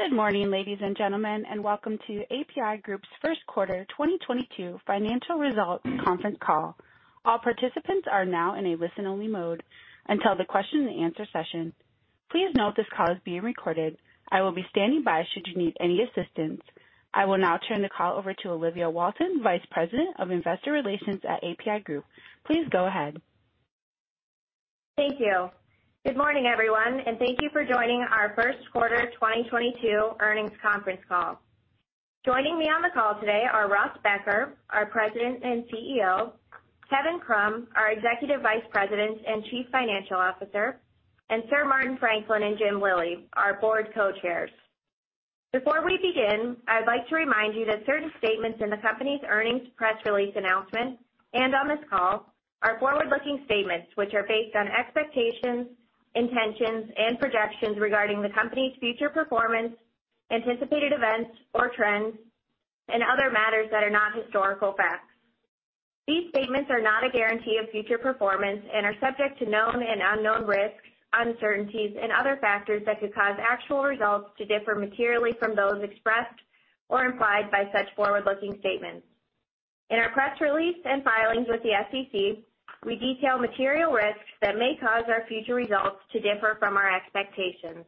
Good morning, ladies and gentlemen, and welcome to APi Group's first quarter 2022 financial results conference call. All participants are now in a listen-only mode until the question-and-answer session. Please note this call is being recorded. I will be standing by should you need any assistance. I will now turn the call over to Olivia Walton, Vice President of Investor Relations at APi Group. Please go ahead. Thank you. Good morning, everyone, and thank you for joining our first quarter 2022 earnings conference call. Joining me on the call today are Russ Becker, our President and CEO, Kevin Krumm, our Executive Vice President and Chief Financial Officer, and Sir Martin Franklin and Jim Lillie, our board co-chairs. Before we begin, I'd like to remind you that certain statements in the company's earnings press release announcement and on this call are forward-looking statements which are based on expectations, intentions, and projections regarding the company's future performance, anticipated events or trends, and other matters that are not historical facts. These statements are not a guarantee of future performance and are subject to known and unknown risks, uncertainties, and other factors that could cause actual results to differ materially from those expressed or implied by such forward-looking statements. In our press release and filings with the SEC, we detail material risks that may cause our future results to differ from our expectations.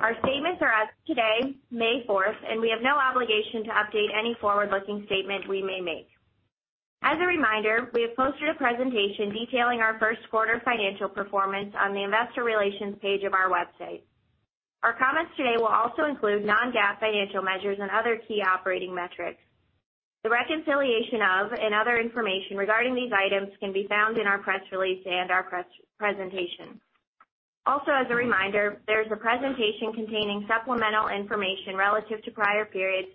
Our statements are as of today, May 4th, and we have no obligation to update any forward-looking statement we may make. As a reminder, we have posted a presentation detailing our first quarter financial performance on the investor relations page of our website. Our comments today will also include non-GAAP financial measures and other key operating metrics. The reconciliation and other information regarding these items can be found in our press release and our press presentation. Also, as a reminder, there's a presentation containing supplemental information relative to prior periods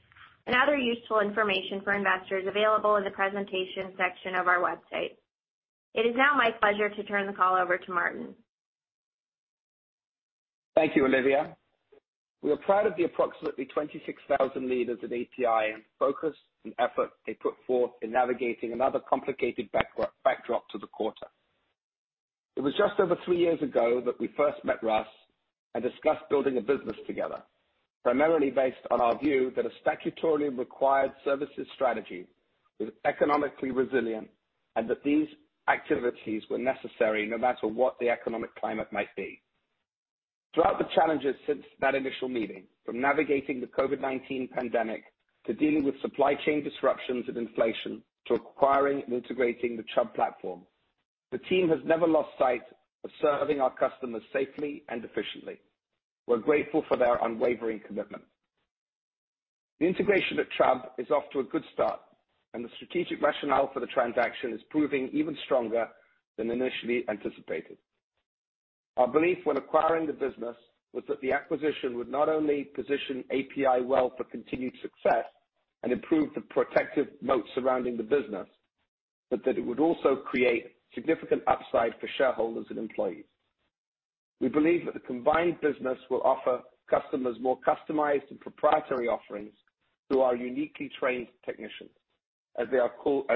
and other useful information for investors available in the presentation section of our website. It is now my pleasure to turn the call over to Martin. Thank you, Olivia. We are proud of the approximately 26,000 leaders at APi and focus and effort they put forth in navigating another complicated backdrop to the quarter. It was just over three years ago that we first met Russ and discussed building a business together, primarily based on our view that a statutorily required services strategy was economically resilient and that these activities were necessary no matter what the economic climate might be. Throughout the challenges since that initial meeting, from navigating the COVID-19 pandemic to dealing with supply chain disruptions and inflation, to acquiring and integrating the Chubb platform, the team has never lost sight of serving our customers safely and efficiently. We're grateful for their unwavering commitment. The integration at Chubb is off to a good start, and the strategic rationale for the transaction is proving even stronger than initially anticipated. Our belief when acquiring the business was that the acquisition would not only position APi well for continued success and improve the protective moat surrounding the business, but that it would also create significant upside for shareholders and employees. We believe that the combined business will offer customers more customized and proprietary offerings through our uniquely trained technicians, as they're called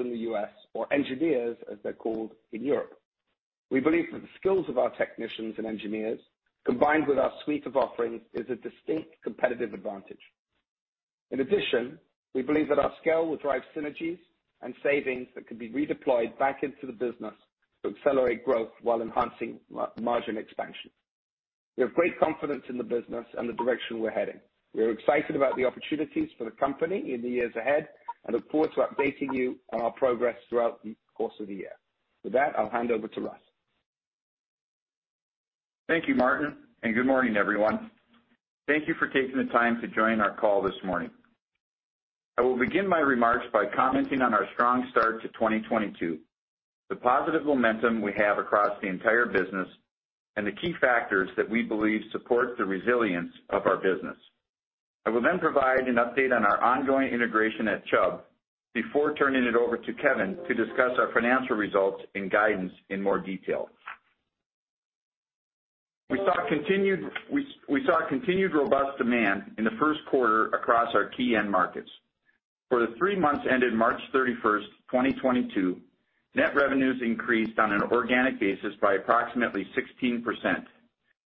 in the U.S., or engineers, as they're called in Europe. We believe that the skills of our technicians and engineers, combined with our suite of offerings, is a distinct competitive advantage. In addition, we believe that our scale will drive synergies and savings that can be redeployed back into the business to accelerate growth while enhancing margin expansion. We have great confidence in the business and the direction we're heading. We are excited about the opportunities for the company in the years ahead and look forward to updating you on our progress throughout the course of the year. With that, I'll hand over to Russ. Thank you, Martin, and good morning, everyone. Thank you for taking the time to join our call this morning. I will begin my remarks by commenting on our strong start to 2022, the positive momentum we have across the entire business, and the key factors that we believe support the resilience of our business. I will then provide an update on our ongoing integration at Chubb before turning it over to Kevin to discuss our financial results and guidance in more detail. We saw continued robust demand in the first quarter across our key end markets. For the three months ended March 31st, 2022, net revenues increased on an organic basis by approximately 16%,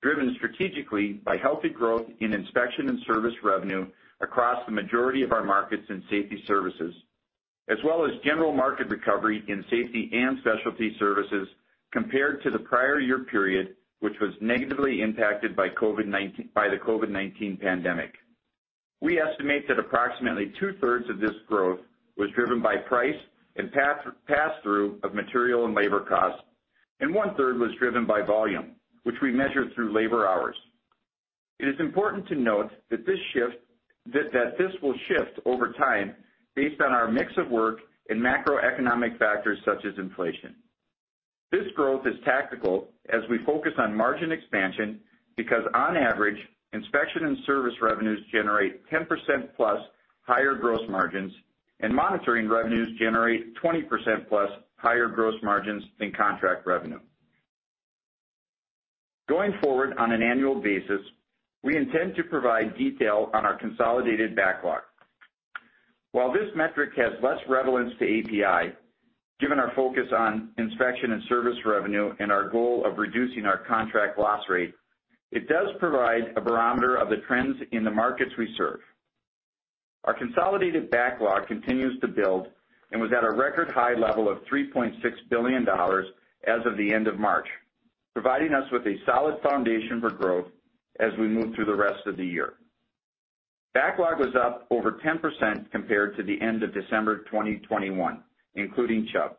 driven strategically by healthy growth in inspection and service revenue across the majority of our markets in Safety Services. As well as general market recovery in Safety and Specialty Services compared to the prior year period, which was negatively impacted by the COVID-19 pandemic. We estimate that approximately two-thirds of this growth was driven by price and pass-through of material and labor costs, and one-third was driven by volume, which we measured through labor hours. It is important to note that this will shift over time based on our mix of work and macroeconomic factors such as inflation. This growth is tactical as we focus on margin expansion because on average, inspection and service revenues generate 10% plus higher gross margins, and monitoring revenues generate 20% plus higher gross margins than contract revenue. Going forward, on an annual basis, we intend to provide detail on our consolidated backlog. While this metric has less relevance to APi, given our focus on inspection and service revenue and our goal of reducing our contract loss rate, it does provide a barometer of the trends in the markets we serve. Our consolidated backlog continues to build and was at a record high level of $3.6 billion as of the end of March, providing us with a solid foundation for growth as we move through the rest of the year. Backlog was up over 10% compared to the end of December 2021, including Chubb.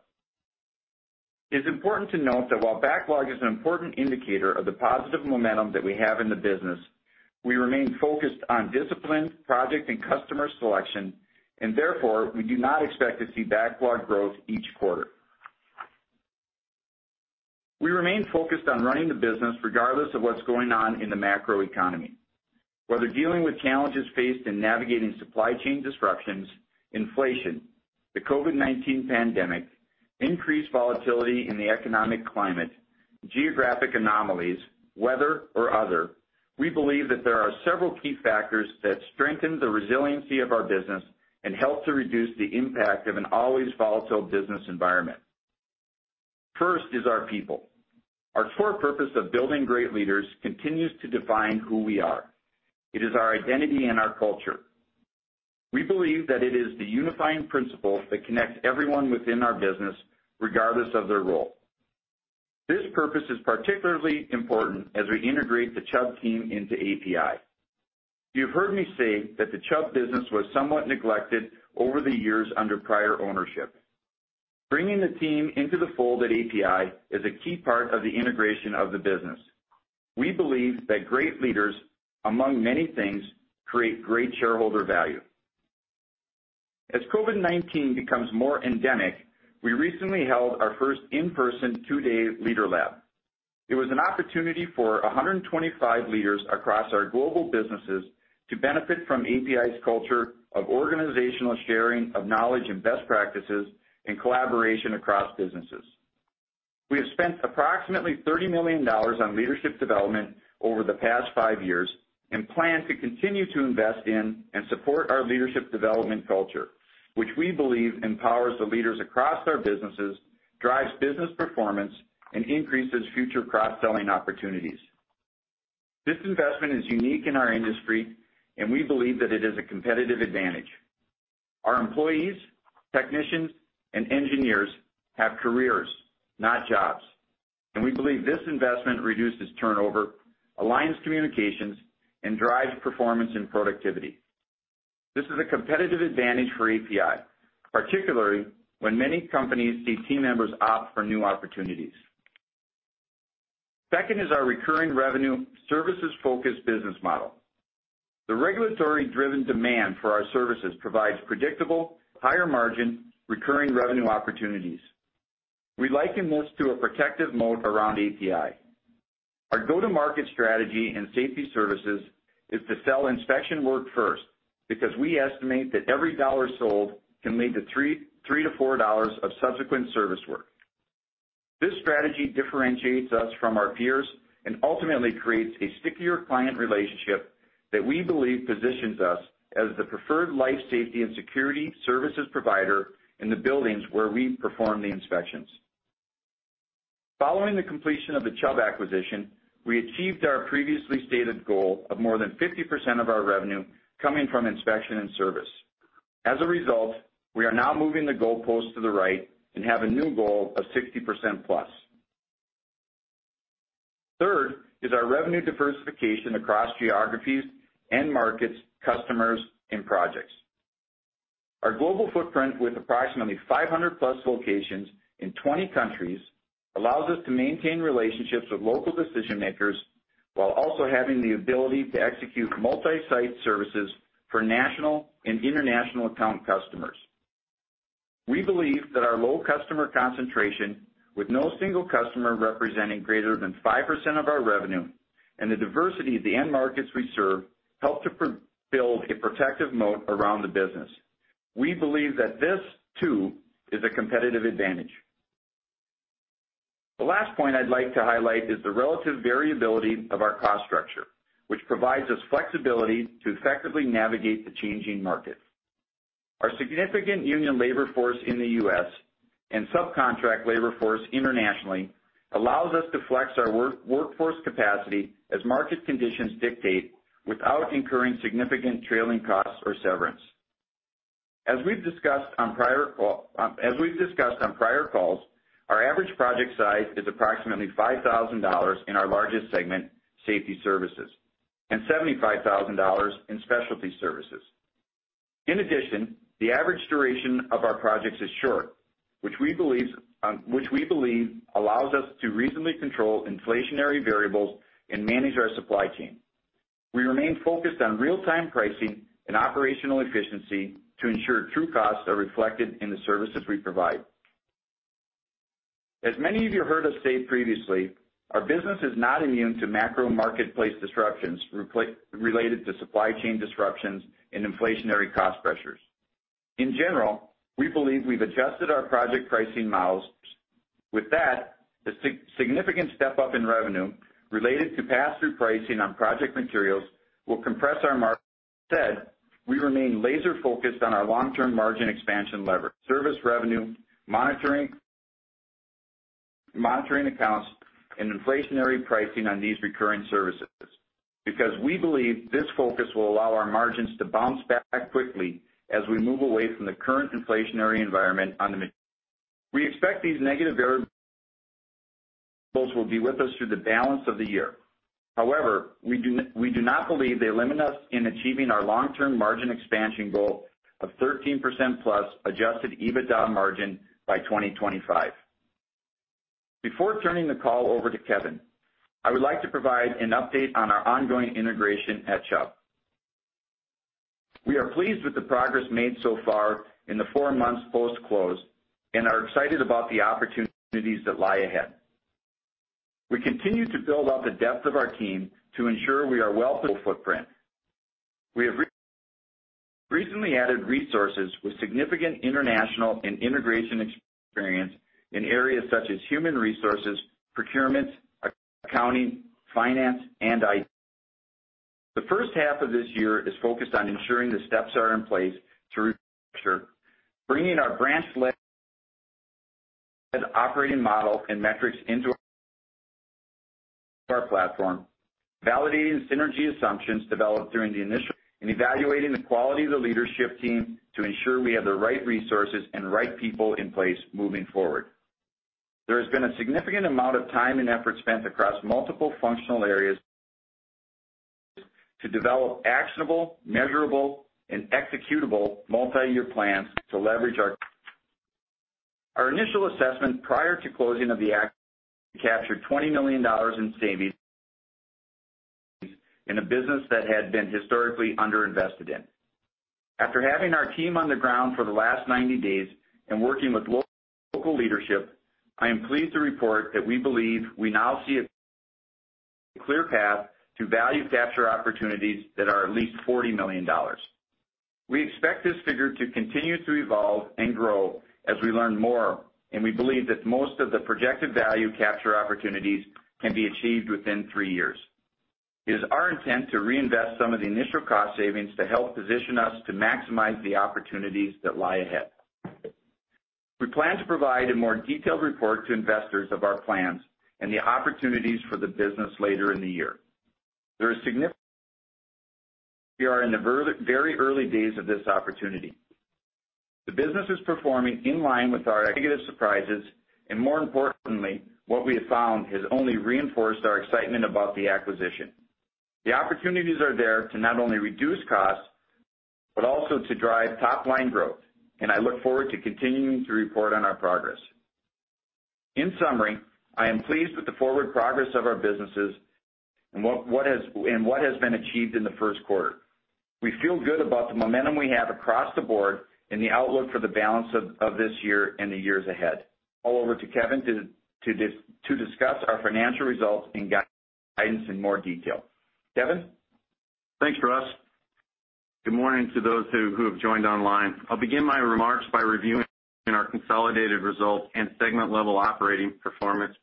It's important to note that while backlog is an important indicator of the positive momentum that we have in the business, we remain focused on disciplined project and customer selection and therefore we do not expect to see backlog growth each quarter. We remain focused on running the business regardless of what's going on in the macro economy. Whether dealing with challenges faced in navigating supply chain disruptions, inflation, the COVID-19 pandemic, increased volatility in the economic climate, geographic anomalies, weather or other, we believe that there are several key factors that strengthen the resiliency of our business and help to reduce the impact of an always volatile business environment. First is our people. Our core purpose of building great leaders continues to define who we are. It is our identity and our culture. We believe that it is the unifying principle that connects everyone within our business, regardless of their role. This purpose is particularly important as we integrate the Chubb team into APi. You've heard me say that the Chubb business was somewhat neglected over the years under prior ownership. Bringing the team into the fold at APi is a key part of the integration of the business. We believe that great leaders, among many things, create great shareholder value. As COVID-19 becomes more endemic, we recently held our first in-person two-day leader lab. It was an opportunity for 125 leaders across our global businesses to benefit from APi's culture of organizational sharing of knowledge and best practices and collaboration across businesses. We have spent approximately $30 million on leadership development over the past five years, and plan to continue to invest in and support our leadership development culture, which we believe empowers the leaders across our businesses, drives business performance, and increases future cross-selling opportunities. This investment is unique in our industry, and we believe that it is a competitive advantage. Our employees, technicians, and engineers have careers, not jobs, and we believe this investment reduces turnover, aligns communications, and drives performance and productivity. This is a competitive advantage for APi, particularly when many companies see team members opt for new opportunities. Second is our recurring revenue services-focused business model. The regulatory driven demand for our services provides predictable, higher margin, recurring revenue opportunities. We liken this to a protective moat around APi. Our go-to-market strategy in Safety Services is to sell inspection work first because we estimate that every dollar sold can lead to $3 to 4 dollars of subsequent service work. This strategy differentiates us from our peers and ultimately creates a stickier client relationship that we believe positions us as the preferred life safety and security services provider in the buildings where we perform the inspections. Following the completion of the Chubb acquisition, we achieved our previously stated goal of more than 50% of our revenue coming from inspection and service. As a result, we are now moving the goalpost to the right and have a new goal of 60% plus. Third is our revenue diversification across geographies and markets, customers, and projects. Our global footprint with approximately 500+ locations in 20 countries allows us to maintain relationships with local decision makers while also having the ability to execute multi-site services for national and international account customers. We believe that our low customer concentration, with no single customer representing greater than 5% of our revenue and the diversity of the end markets we serve, help to build a protective moat around the business. We believe that this too is a competitive advantage. The last point I'd like to highlight is the relative variability of our cost structure, which provides us flexibility to effectively navigate the changing market. Our significant union labor force in the U.S. and subcontract labor force internationally allows us to flex our workforce capacity as market conditions dictate, without incurring significant trailing costs or severance. As we've discussed on prior calls, our average project size is approximately $5,000 in our largest segment, Safety Services, and $75,000 in Specialty Services. In addition, the average duration of our projects is short, which we believe allows us to reasonably control inflationary variables and manage our supply chain. We remain focused on real-time pricing and operational efficiency to ensure true costs are reflected in the services we provide. As many of you heard us state previously, our business is not immune to macro marketplace disruptions related to supply chain disruptions and inflationary cost pressures. In general, we believe we've adjusted our project pricing models. With that, the significant step up in revenue related to pass-through pricing on project materials will compress our margin. Instead, we remain laser focused on our long-term margin expansion lever, service revenue, monitoring accounts and inflationary pricing on these recurring services. Because we believe this focus will allow our margins to bounce back quickly as we move away from the current inflationary environment on the material. We expect these negative variables will be with us through the balance of the year. However, we do not believe they limit us in achieving our long-term margin expansion goal of 13%+ Adjusted EBITDA margin by 2025. Before turning the call over to Kevin, I would like to provide an update on our ongoing integration at Chubb. We are pleased with the progress made so far in the four months post-close and are excited about the opportunities that lie ahead. We continue to build out the depth of our team to ensure we are well-positioned. We have recently added resources with significant international and integration experience in areas such as human resources, procurement, accounting, finance, and IT. The first half of this year is focused on ensuring the steps are in place through structure, bringing our branch operating model and metrics into our platform, validating synergy assumptions developed during the initial, and evaluating the quality of the leadership team to ensure we have the right resources and right people in place moving forward. There has been a significant amount of time and effort spent across multiple functional areas to develop actionable, measurable, and executable multi-year plans to leverage our. Our initial assessment prior to closing of the acquisition captured $20 million in savings in a business that had been historically under-invested in. After having our team on the ground for the last 90 days and working with local leadership, I am pleased to report that we believe we now see a clear path to value capture opportunities that are at least $40 million. We expect this figure to continue to evolve and grow as we learn more, and we believe that most of the projected value capture opportunities can be achieved within three years. It is our intent to reinvest some of the initial cost savings to help position us to maximize the opportunities that lie ahead. We plan to provide a more detailed report to investors of our plans and the opportunities for the business later in the year. There is significant. We are in the very, very early days of this opportunity. The business is performing in line with our no negative surprises, and more importantly, what we have found has only reinforced our excitement about the acquisition. The opportunities are there to not only reduce costs, but also to drive top line growth, and I look forward to continuing to report on our progress. In summary, I am pleased with the forward progress of our businesses and what has been achieved in the first quarter. We feel good about the momentum we have across the board and the outlook for the balance of this year and the years ahead. Over to Kevin to discuss our financial results and guidance in more detail. Kevin? Thanks, Russ. Good morning to those who have joined online. I'll begin my remarks by reviewing our consolidated results and segment level operating performance.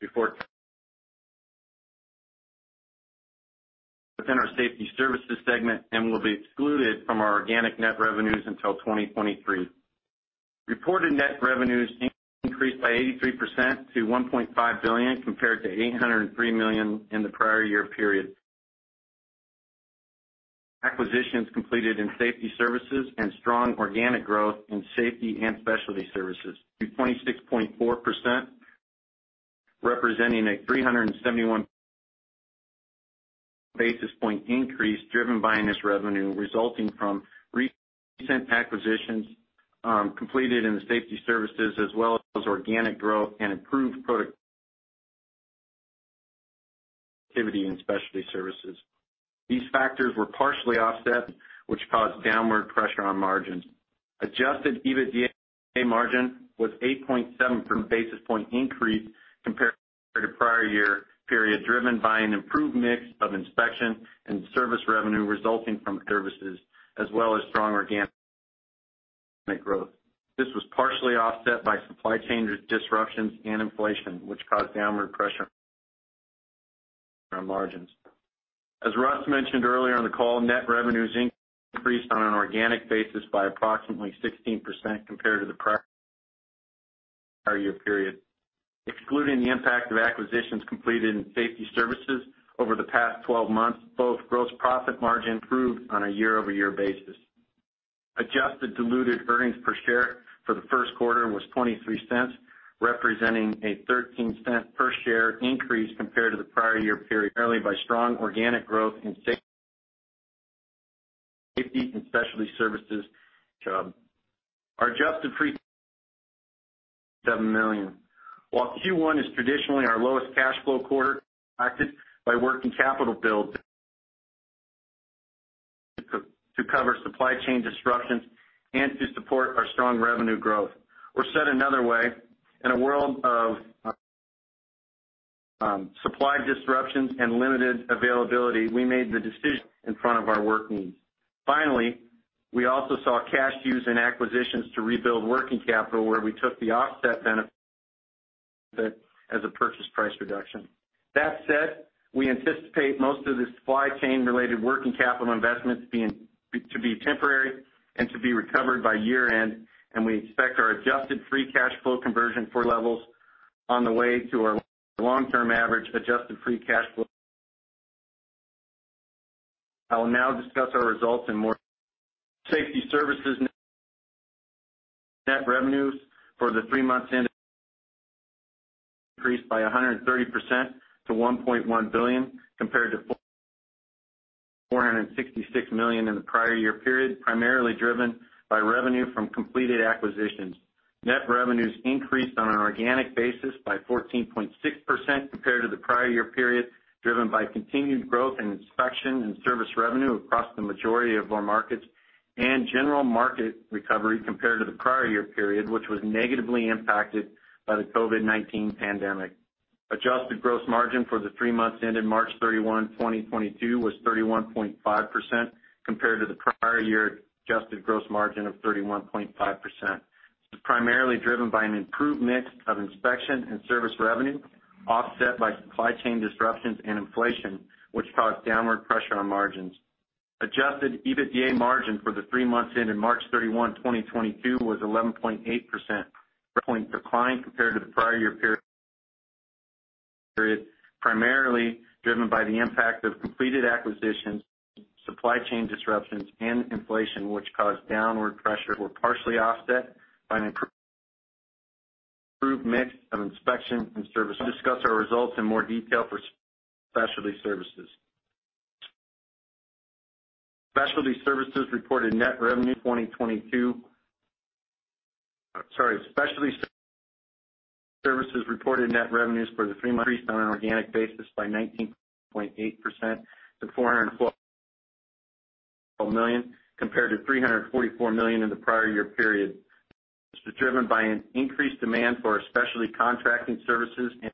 Within our Safety Services segment and will be excluded from our organic net revenues until 2023. Reported net revenues increased by 83% to $1.5 billion compared to $803 million in the prior year period. Acquisitions completed in Safety Services and strong organic growth in Safety and Specialty Services to 26.4%, representing a 371 basis points increase driven by this revenue resulting from recent acquisitions completed in the Safety Services as well as organic growth and improved productivity in Specialty Services. These factors were partially offset, which caused downward pressure on margins. Adjusted EBITDA margin was 8.7 basis points increase compared to prior year period, driven by an improved mix of inspection and service revenue resulting from services as well as strong organic growth. This was partially offset by supply chain disruptions and inflation, which caused downward pressure on margins. As Russ mentioned earlier in the call, net revenues increased on an organic basis by approximately 16% compared to the prior year period. Excluding the impact of acquisitions completed in safety services over the past 12 months, both gross profit margin improved on a year-over-year basis. Adjusted diluted earnings per share for the first quarter was $0.23, representing a $0.13 per share increase compared to the prior year period, primarily by strong organic growth in Safety and Specialty Services. Our adjusted free cash flow $7 million. While Q1 is traditionally our lowest cash flow quarter, impacted by working capital build to cover supply chain disruptions and to support our strong revenue growth. Or said another way, in a world of supply disruptions and limited availability, we made the decision to front our work needs. Finally, we also saw cash used in acquisitions to rebuild working capital where we took the offset benefit as a purchase price reduction. That said, we anticipate most of the supply chain related working capital investments being temporary and to be recovered by year-end, and we expect our adjusted free cash flow conversion to levels on the way to our long-term average adjusted free cash flow. I will now discuss our results. Safety Services net revenues for the three months ended increased by 130% to $1.1 billion, compared to $466 million in the prior year period, primarily driven by revenue from completed acquisitions. Net revenues increased on an organic basis by 14.6% compared to the prior year period, driven by continued growth in inspection and service revenue across the majority of our markets and general market recovery compared to the prior year period, which was negatively impacted by the COVID-19 pandemic. Adjusted gross margin for the three months ended March 31, 2022 was 31.5% compared to the prior year adjusted gross margin of 31.5%. This is primarily driven by an improved mix of inspection and service revenue, offset by supply chain disruptions and inflation, which caused downward pressure on margins. Adjusted EBITDA margin for the three months ended March 31, 2022 was 11.8%, point decline compared to the prior year period, primarily driven by the impact of completed acquisitions, supply chain disruptions and inflation, which caused downward pressure were partially offset by an improved mix of inspection and service. Discuss our results in more detail for Specialty Services. Specialty Services reported net revenues for the three months increased on an organic basis by 19.8% to $412 million, compared to $344 million in the prior year period. This was driven by an increased demand for our specialty contracting services and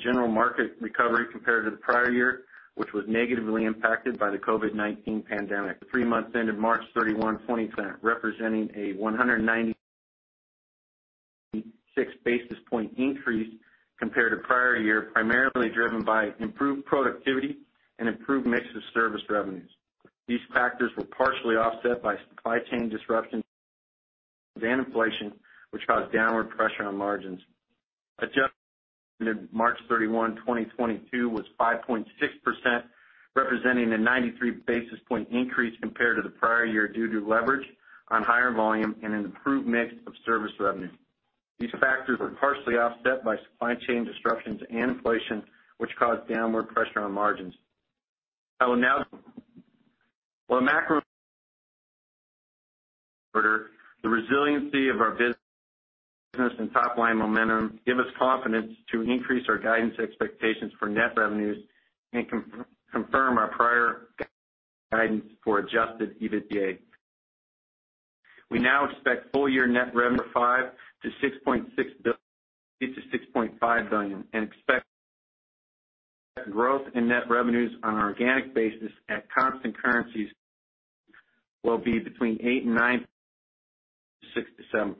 general market recovery compared to the prior year, which was negatively impacted by the COVID-19 pandemic. The three months ended March 31, 2020 20%, representing a 196 basis point increase compared to prior year, primarily driven by improved productivity and improved mix of service revenues. These factors were partially offset by supply chain disruptions and inflation, which caused downward pressure on margins. Adjusted ended March 31, 2022 was 5.6%, representing a 93 basis point increase compared to the prior year due to leverage on higher volume and an improved mix of service revenue. These factors were partially offset by supply chain disruptions and inflation, which caused downward pressure on margins. I will now. While the macro quarter, the resiliency of our business and top-line momentum give us confidence to increase our guidance expectations for net revenues and confirm our prior guidance for Adjusted EBITDA. We now expect full-year net revenue of $6-$6.5 billion, and expect growth in net revenues on an organic basis at constant currencies will be between 6%-7%.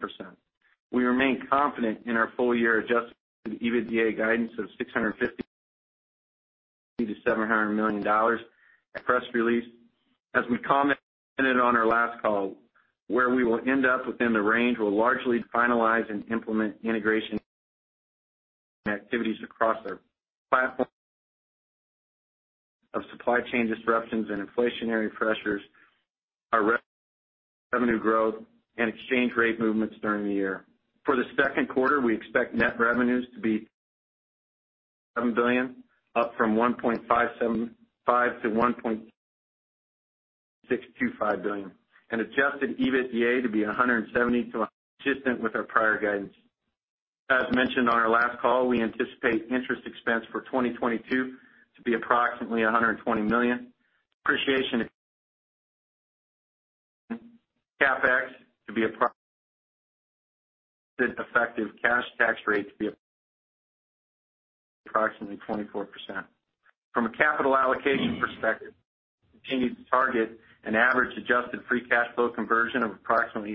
We remain confident in our full-year Adjusted EBITDA guidance of $650 million-$700 million as per press release. As we commented on our last call, where we will end up within the range will largely finalize and implement integration activities across our platform of supply chain disruptions and inflationary pressures, our revenue growth and exchange rate movements during the year. For the second quarter, we expect net revenues to be $1.7 billion, up from $1.575-$1.625 billion, and Adjusted EBITDA to be $170 million, consistent with our prior guidance. As mentioned on our last call, we anticipate interest expense for 2022 to be approximately $120 million. Depreciation and CapEx to be approximately. Effective cash tax rate to be approximately 24%. From a capital allocation perspective, we continue to target an average adjusted free cash flow conversion of approximately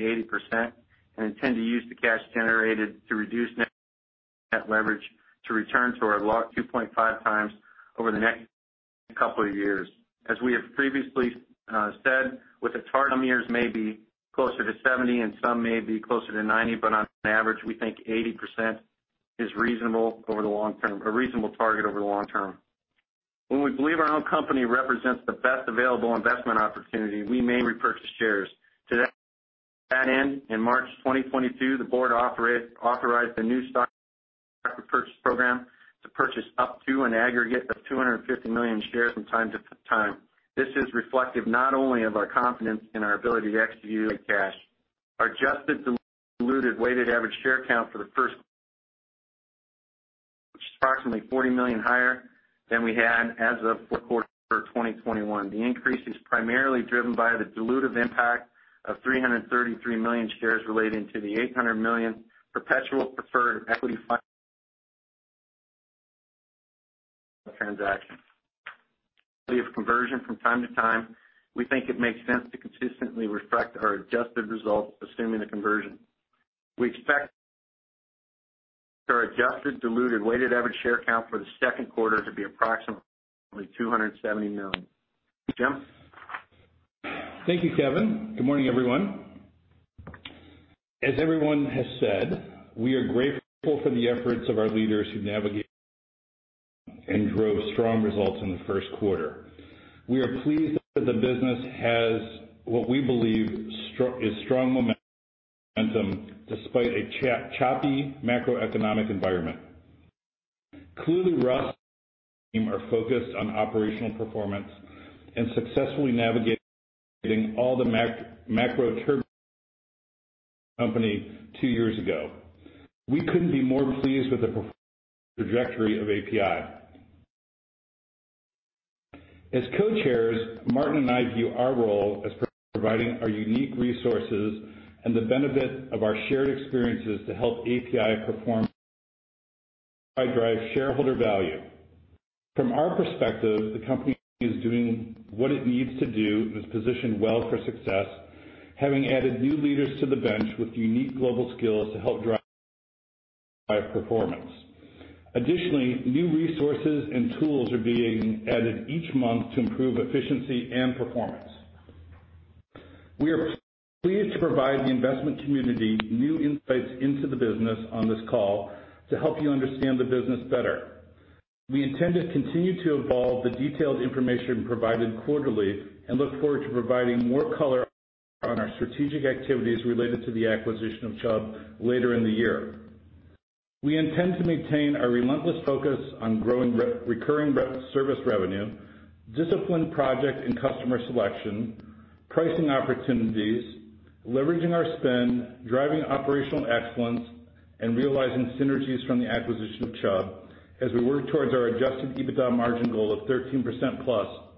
80% and intend to use the cash generated to reduce net leverage to return to our 2.5x over the next couple of years. As we have previously said, with the target some years may be closer to 70 and some may be closer to 90, but on average, we think 80% is reasonable over the long term, a reasonable target over the long term. When we believe our own company represents the best available investment opportunity, we may repurchase shares. To that end, in March 2022, the board authorized the new stock repurchase program to purchase up to an aggregate of 250 million shares from time to time. This is reflective not only of our confidence in our ability to execute cash. Our Adjusted diluted weighted average share count for the first, which is approximately 40 million higher than we had as of fourth quarter 2021. The increase is primarily driven by the dilutive impact of 333 million shares relating to the $800 million perpetual preferred equity transaction. We have conversion from time to time. We think it makes sense to consistently reflect our adjusted results, assuming the conversion. We expect our adjusted diluted weighted average share count for the second quarter to be approximately 270 million. Jim? Thank you, Kevin. Good morning, everyone. As everyone has said, we are grateful for the efforts of our leaders who navigate and drove strong results in the first quarter. We are pleased that the business has what we believe is strong momentum despite a choppy macroeconomic environment. Clearly, Russ and team are focused on operational performance and successfully navigating all the macro turbulence the company two years ago. We couldn't be more pleased with the performance trajectory of APi. As Co-Chairs, Martin and I view our role as providing our unique resources and the benefit of our shared experiences to help APi perform, drive shareholder value. From our perspective, the company is doing what it needs to do and is positioned well for success, having added new leaders to the bench with unique global skills to help drive performance. Additionally, new resources and tools are being added each month to improve efficiency and performance. We are pleased to provide the investment community new insights into the business on this call to help you understand the business better. We intend to continue to evolve the detailed information provided quarterly and look forward to providing more color on our strategic activities related to the acquisition of Chubb later in the year. We intend to maintain our relentless focus on growing recurring service revenue, disciplined project and customer selection, pricing opportunities, leveraging our spend, driving operational excellence, and realizing synergies from the acquisition of Chubb as we work towards our Adjusted EBITDA margin goal of 13%+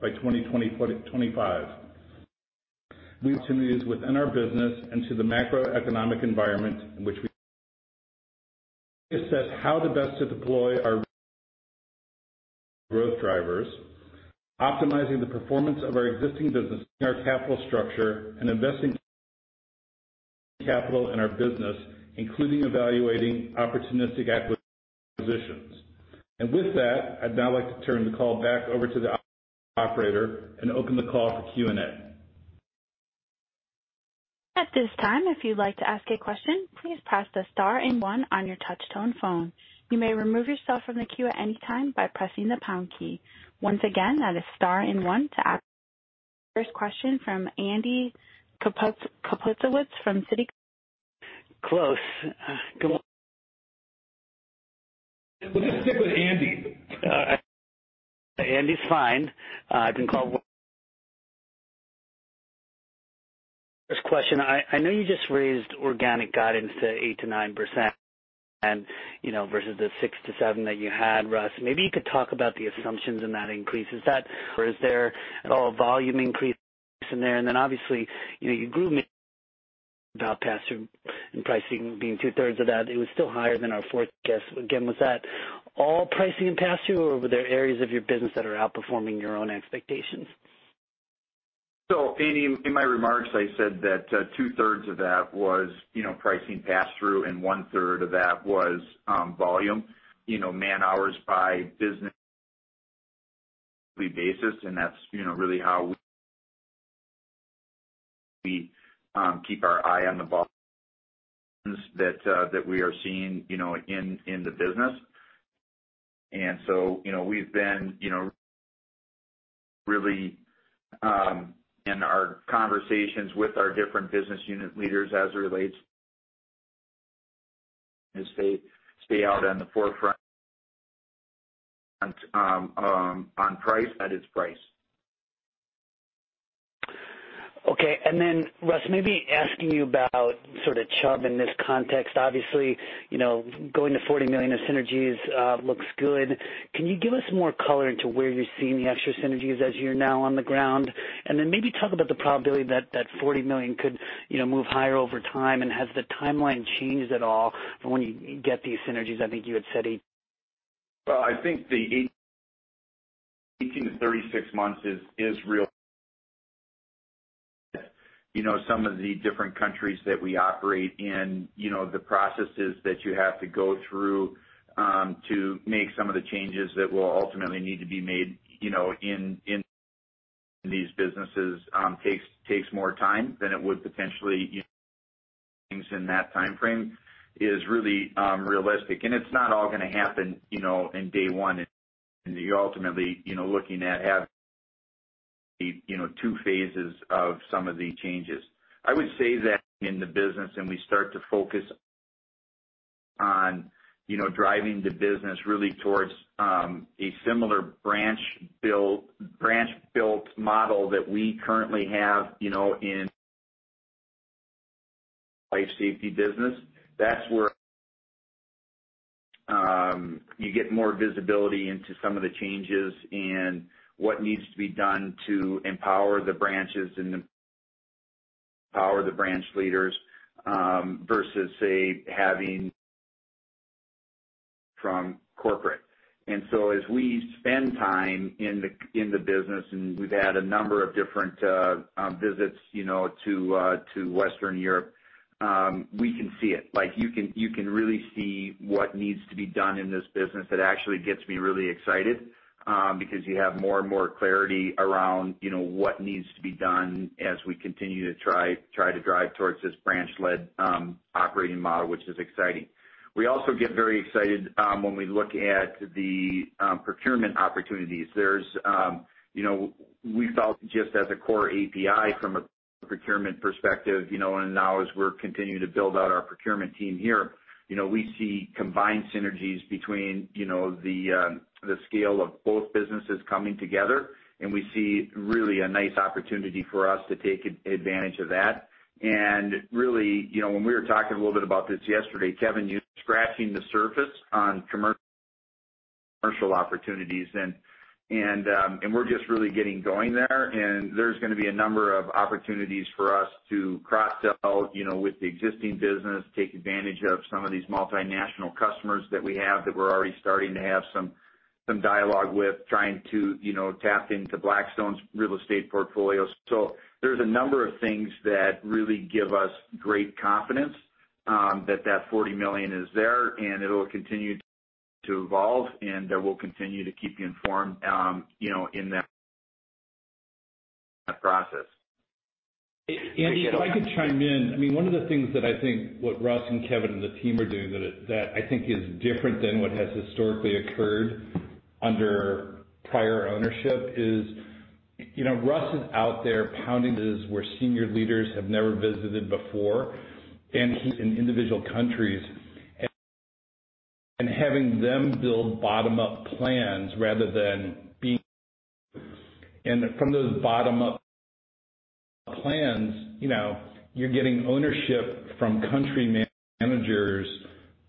by 2025. New opportunities within our business and to the macroeconomic environment in which we assess how to best deploy our growth drivers, optimizing the performance of our existing business, our capital structure, and investing capital in our business, including evaluating opportunistic acquisitions. With that, I'd now like to turn the call back over to the operator and open the call for Q and A. At this time, if you'd like to ask a question, please press the star and one on your touch tone phone. You may remove yourself from the queue at any time by pressing the pound key. Once again, that is star and one to ask. First question from Andy Kaplowitz from Citi. Close. Good one. We'll just stick with Andy. Andy's fine. First question. I know you just raised organic guidance to 8%-9%, you know, versus the 6%-7% that you had, Russ. Maybe you could talk about the assumptions in that increase. Is that or is there at all a volume increase in there? And then obviously, you know, you grew above pass through and pricing being two-thirds of that, it was still higher than our forecast. Again, was that all pricing and pass through, or were there areas of your business that are outperforming your own expectations? Andy, in my remarks, I said that two-thirds of that was, you know, pricing pass through, and one-third of that was volume. You know, man-hours by business basis, and that's, you know, really how we keep our eye on the ball that we are seeing, you know, in the business. You know, we've been, you know, really in our conversations with our different business unit leaders as it relates to stay out on the forefront on price at its price. Okay. Then Russ, maybe asking you about sort of Chubb in this context. Obviously, you know, going to $40 million of synergies looks good. Can you give us more color into where you're seeing the extra synergies as you're now on the ground? Then maybe talk about the probability that that $40 million could, you know, move higher over time, and has the timeline changed at all from when you get these synergies? I think you had said eight- Well, I think the 18-36 months is real. You know, some of the different countries that we operate in, you know, the processes that you have to go through to make some of the changes that will ultimately need to be made, you know, in these businesses takes more time than it would potentially. Things in that timeframe is really realistic. It's not all gonna happen, you know, in day one. You're ultimately, you know, looking at have, you know, two phases of some of the changes. I would say that in the business and we start to focus on, you know, driving the business really towards a similar branch-built model that we currently have, you know, in life safety business. That's where you get more visibility into some of the changes and what needs to be done to empower the branches and empower the branch leaders, versus, say, having from corporate. As we spend time in the business, and we've had a number of different visits, you know, to Western Europe, we can see it. Like, you can really see what needs to be done in this business. It actually gets me really excited, because you have more and more clarity around, you know, what needs to be done as we continue to try to drive towards this branch-led operating model, which is exciting. We also get very excited when we look at the procurement opportunities. There's, you know, we felt just as a core APi from a procurement perspective, you know, and now as we're continuing to build out our procurement team here, you know, we see combined synergies between, you know, the scale of both businesses coming together, and we see really a nice opportunity for us to take advantage of that. Really, you know, when we were talking a little bit about this yesterday, Kevin, you're scratching the surface on commercial opportunities and and we're just really getting going there. There's gonna be a number of opportunities for us to cross-sell, you know, with the existing business, take advantage of some of these multinational customers that we have that we're already starting to have some dialogue with, trying to, you know, tap into Blackstone's real estate portfolio. There's a number of things that really give us great confidence that $40 million is there, and it'll continue to evolve, and we'll continue to keep you informed, you know, in that process. Andy, if I could chime in. I mean, one of the things that I think what Russ and Kevin and the team are doing that I think is different than what has historically occurred under prior ownership is, you know, Russ is out there pounding where senior leaders have never visited before. He's in individual countries and having them build bottom-up plans. From those bottom-up plans, you know, you're getting ownership from country managers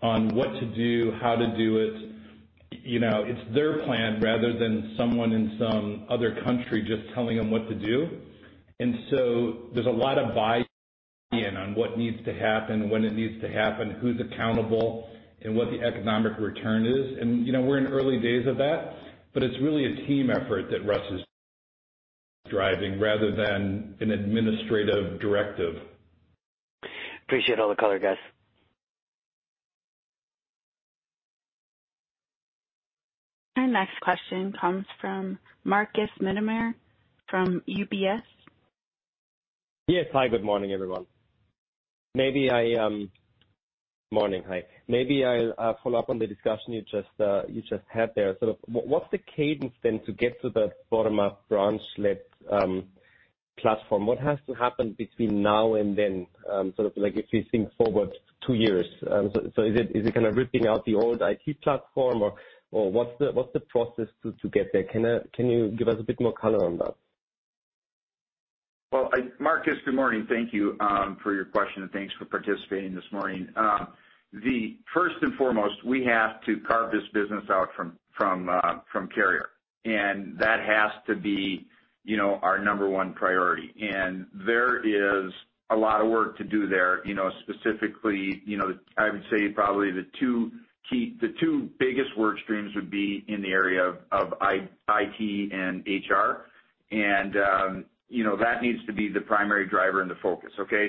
on what to do, how to do it. You know, it's their plan rather than someone in some other country just telling them what to do. There's a lot of buy-in on what needs to happen, when it needs to happen, who's accountable and what the economic return is. You know, we're in early days of that, but it's really a team effort that Russ is driving rather than an administrative directive. Appreciate all the color, guys. Our next question comes from Markus Mittermaier from UBS. Yes. Hi, good morning, everyone. Maybe I'll follow up on the discussion you just had there. What's the cadence to get to the bottom-up branch-led platform? What has to happen between now and then, sort of like if you think forward two years? So, is it kind of ripping out the old IT platform or what's the process to get there? Can you give us a bit more color on that? Well, Markus, good morning. Thank you for your question, and thanks for participating this morning. First and foremost, we have to carve this business out from Carrier, and that has to be, you know, our number one priority. There is a lot of work to do there, you know, specifically, you know, I would say probably the two biggest work streams would be in the area of IT and HR. That needs to be the primary driver and the focus, okay?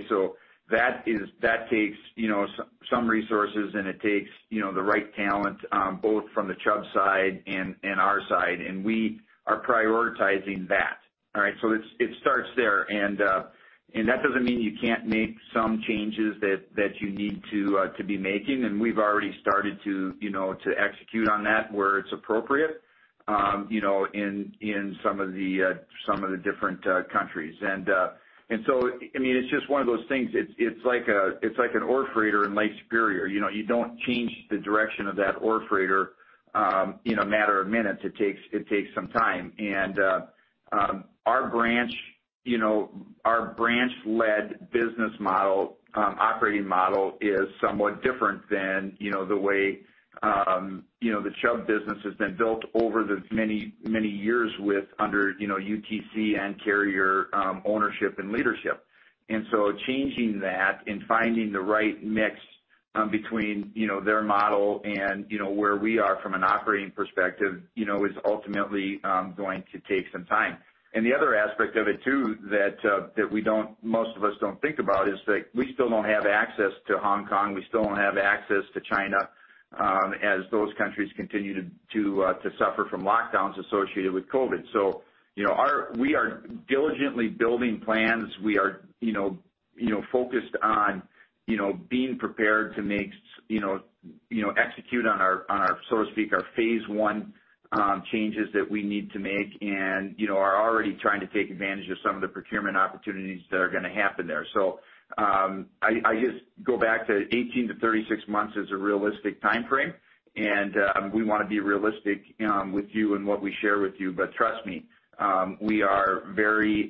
That takes, you know, some resources, and it takes, you know, the right talent, both from the Chubb side and our side, and we are prioritizing that. All right. It starts there. That doesn't mean you can't make some changes that you need to be making. We've already started to, you know, to execute on that where it's appropriate, you know, in some of the different countries. I mean, it's just one of those things. It's like an ore freighter in Lake Superior. You know, you don't change the direction of that ore freighter in a matter of minutes. It takes some time. Our branch-led business model operating model is somewhat different than, you know, the way, you know, the Chubb business has been built over the many years under UTC and Carrier ownership and leadership. Changing that and finding the right mix, you know, between their model and, you know, where we are from an operating perspective, you know, is ultimately going to take some time. The other aspect of it too that we don't, most of us don't think about is that we still don't have access to Hong Kong, we still don't have access to China, as those countries continue to suffer from lockdowns associated with COVID. You know, we are diligently building plans. We are, you know, focused on, you know, being prepared to make, you know, execute on our, so to speak, our phase one changes that we need to make and, you know, are already trying to take advantage of some of the procurement opportunities that are gonna happen there. I just go back to 18-36 months as a realistic timeframe, and we wanna be realistic with you and what we share with you. Trust me, we are very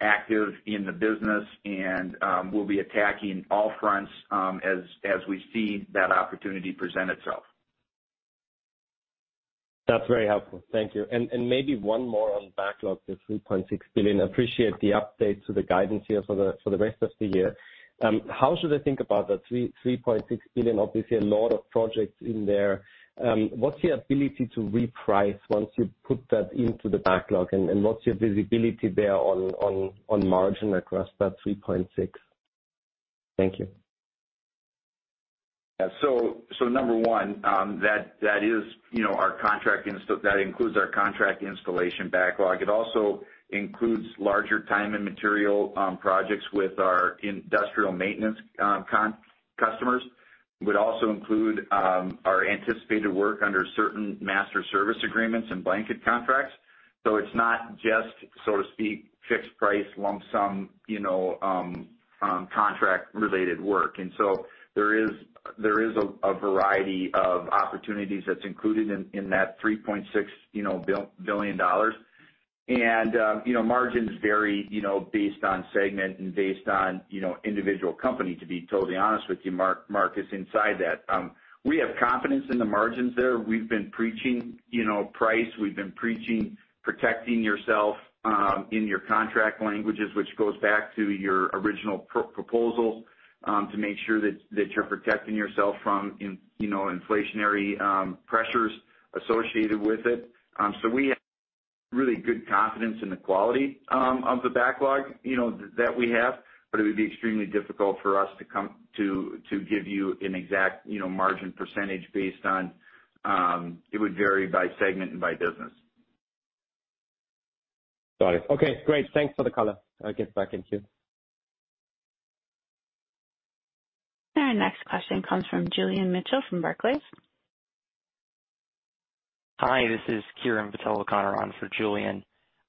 active in the business and we'll be attacking all fronts as we see that opportunity present itself. That's very helpful. Thank you. Maybe one more on backlog, the $3.6 billion. Appreciate the update to the guidance here for the rest of the year. How should I think about that $3.6 billion? Obviously, a lot of projects in there. What's your ability to reprice once you put that into the backlog? What's your visibility there on margin across that $3.6 billion? Thank you. Yeah. Number one, that is, you know, our contract installation backlog. It also includes larger time and material projects with our industrial maintenance customers. It would also include our anticipated work under certain master service agreements and blanket contracts. It's not just, so to speak, fixed price, lump sum, you know, contract related work. There is a variety of opportunities that's included in that $3.6 billion. You know, margins vary, you know, based on segment and based on individual company, to be totally honest with you, Markus, inside that. We have confidence in the margins there. We've been preaching, you know, price. We've been preaching protecting yourself in your contract languages, which goes back to your original proposal to make sure that you're protecting yourself from, you know, inflationary pressures associated with it. We have really good confidence in the quality of the backlog, you know, that we have, but it would be extremely difficult for us to give you an exact, you know, margin percentage based on it. It would vary by segment and by business. Got it. Okay, great. Thanks for the color. I'll get back in queue. Our next question comes from Julian Mitchell from Barclays. Hi, this is Kieran de Brun for Julian.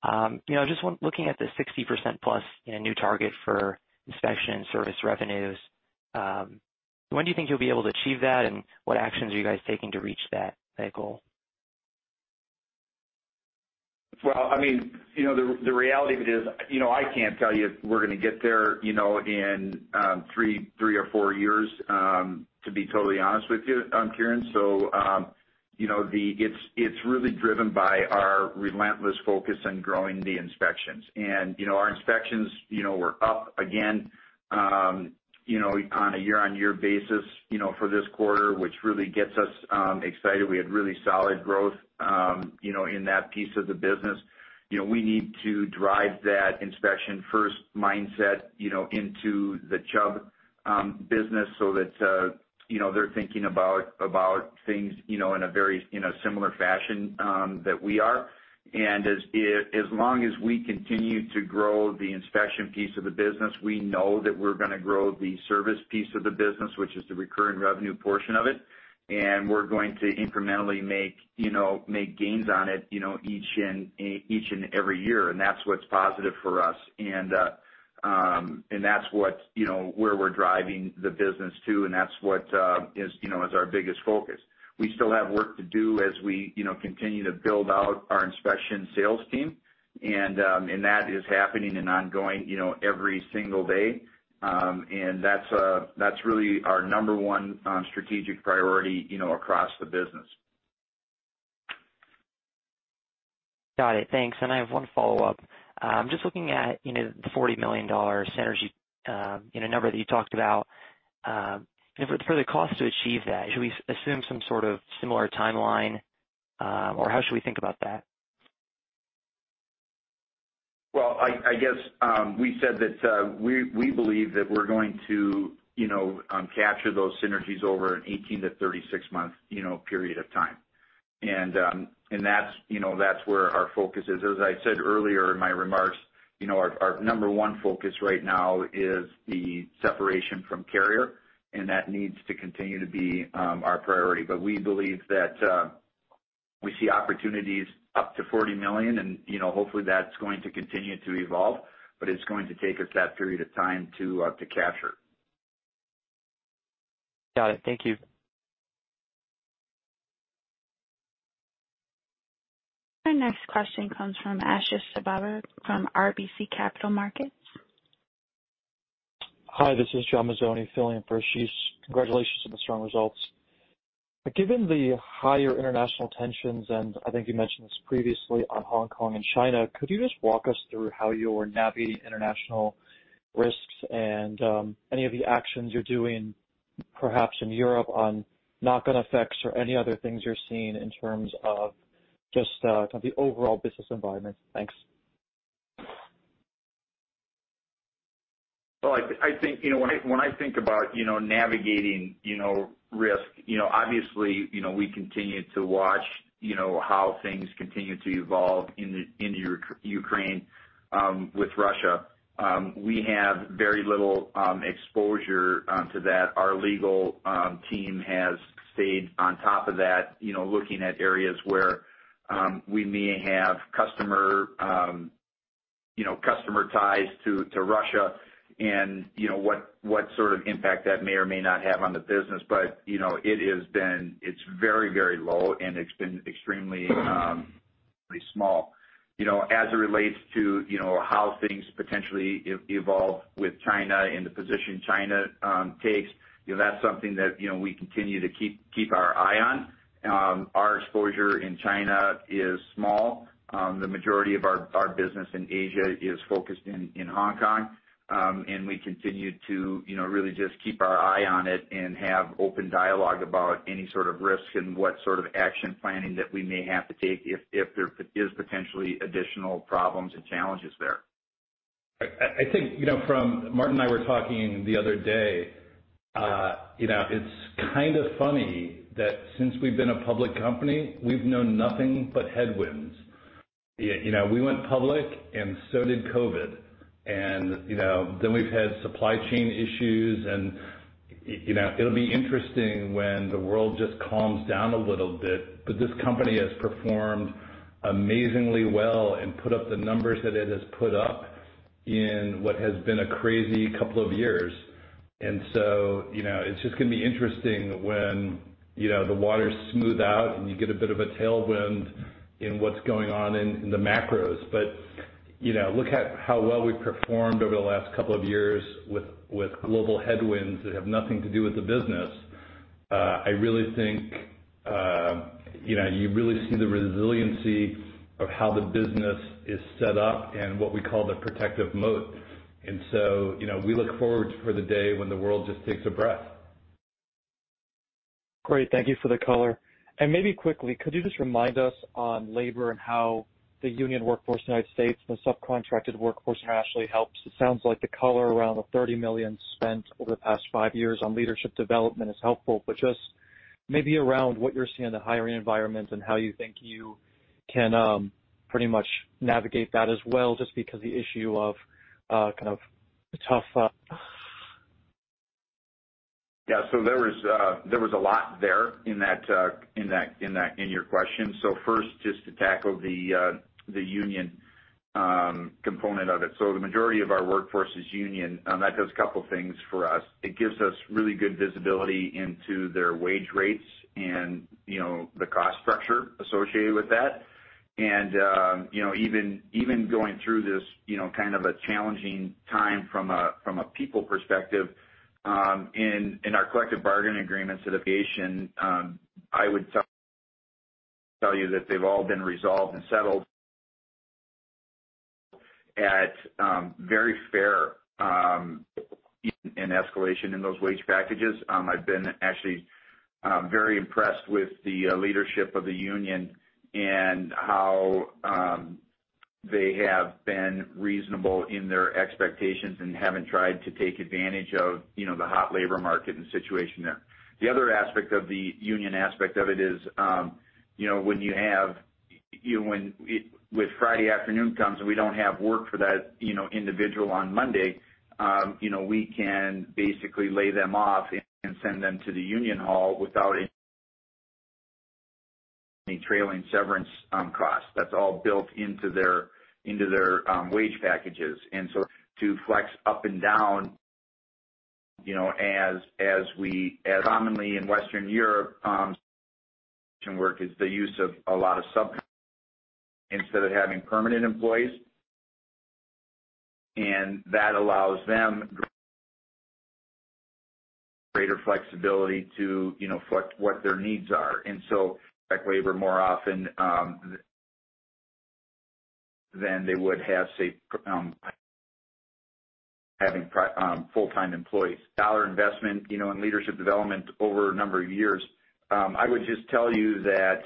You know, just looking at the 60%+ as a new target for inspection service revenues, when do you think you'll be able to achieve that, and what actions are you guys taking to reach that goal? Well, I mean, you know, the reality of it is, you know, I can't tell you if we're gonna get there, you know, in three or four years, to be totally honest with you, Kieran. You know, It's really driven by our relentless focus on growing the inspections. You know, our inspections, you know, were up again, you know, on a year-on-year basis, you know, for this quarter, which really gets us, excited. We had really solid growth, you know, in that piece of the business. You know, we need to drive that inspection-first mindset, you know, into the Chubb business so that, you know, they're thinking about things, you know, in a very similar fashion, that we are. As long as we continue to grow the inspection piece of the business, we know that we're gonna grow the service piece of the business, which is the recurring revenue portion of it. We're going to incrementally make, you know, make gains on it, you know, each and every year, and that's what's positive for us. That's what's, you know, where we're driving the business to, and that's what is, you know, our biggest focus. We still have work to do as we, you know, continue to build out our inspection sales team, and that is happening and ongoing, you know, every single day. That's really our number one strategic priority, you know, across the business. Got it. Thanks. I have one follow-up. Just looking at, you know, the $40 million synergy, you know, number that you talked about. You know, for the cost to achieve that, should we assume some sort of similar timeline? Or how should we think about that? Well, I guess we said that we believe that we're going to, you know, capture those synergies over an 18-36 month, you know, period of time. That's where our focus is. As I said earlier in my remarks, you know, our number one focus right now is the separation from Carrier, and that needs to continue to be our priority. We believe that we see opportunities up to $40 million and, you know, hopefully that's going to continue to evolve, but it's going to take us that period of time to capture. Got it. Thank you. Our next question comes from Ashish Sabadra from RBC Capital Markets. Hi, this is John Mazzoni filling in for Ashish. Congratulations on the strong results. Given the higher international tensions, and I think you mentioned this previously on Hong Kong and China, could you just walk us through how you're navigating international risks and, any of the actions you're doing perhaps in Europe on knock-on effects or any other things you're seeing in terms of just, kind of the overall business environment? Thanks. Well, I think, you know, when I think about, you know, navigating, you know, risk, you know, obviously, you know, we continue to watch, you know, how things continue to evolve in the Ukraine with Russia. We have very little exposure to that. Our legal team has stayed on top of that, you know, looking at areas where we may have customer, you know, customer ties to Russia and, you know, what sort of impact that may or may not have on the business. It has been very low, and it's been extremely pretty small. You know, as it relates to, you know, how things potentially evolve with China and the position China takes, you know, that's something that, you know, we continue to keep our eye on. Our exposure in China is small. The majority of our business in Asia is focused in Hong Kong. We continue to, you know, really just keep our eye on it and have open dialogue about any sort of risk and what sort of action planning that we may have to take if there is potentially additional problems and challenges there. I think you know Martin and I were talking the other day, you know, it's kind of funny that since we've been a public company, we've known nothing but headwinds. You know, we went public and so did COVID. Then we've had supply chain issues and you know, it'll be interesting when the world just calms down a little bit. This company has performed amazingly well and put up the numbers that it has put up in what has been a crazy couple of years. You know, it's just gonna be interesting when you know, the waters smooth out and you get a bit of a tailwind in what's going on in the macros. You know, look at how well we've performed over the last couple of years with global headwinds that have nothing to do with the business. I really think, you know, you really see the resiliency of how the business is set up and what we call the protective moat. You know, we look forward for the day when the world just takes a breath. Great. Thank you for the color. Maybe quickly, could you just remind us on labor and how the union workforce in the United States and the subcontracted workforce internationally helps? It sounds like the color around the $30 million spent over the past five years on leadership development is helpful, but just maybe around what you're seeing in the hiring environment and how you think you can pretty much navigate that as well, just because the issue of kind of the tough. Yeah. There was a lot there in that in your question. First, just to tackle the union component of it. The majority of our workforce is union, and that does a couple things for us. It gives us really good visibility into their wage rates and, you know, the cost structure associated with that. And, you know, even going through this, you know, kind of a challenging time from a people perspective, in our collective bargaining agreements negotiation, I would tell you that they've all been resolved and settled at very fair in escalation in those wage packages. I've been actually very impressed with the leadership of the union and how they have been reasonable in their expectations and haven't tried to take advantage of, you know, the hot labor market and situation there. The other aspect of the union aspect of it is, you know, when Friday afternoon comes and we don't have work for that, you know, individual on Monday, you know, we can basically lay them off and send them to the union hall without any trailing severance costs. That's all built into their wage packages. To flex up and down, you know, as we commonly in Western Europe work is the use of a lot of sub instead of having permanent employees. That allows them greater flexibility to, you know, flex what their needs are. Flex labor more often than they would have, say, having full-time employees. Dollar investment, you know, in leadership development over a number of years. I would just tell you that,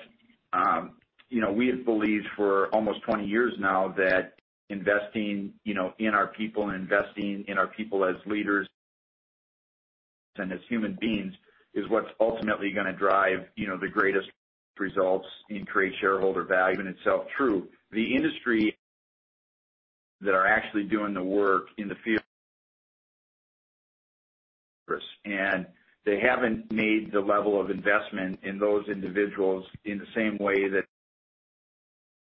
you know, we have believed for almost 20 years now that investing, you know, in our people and investing in our people as leaders and as human beings is what's ultimately gonna drive, you know, the greatest results and create shareholder value in itself true. The industry that are actually doing the work in the field. They haven't made the level of investment in those individuals in the same